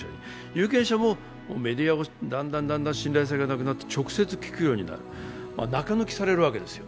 有権者もメディアもだんだん信頼性がなくなって、直接、聞くようになる中抜きされるわけですよ。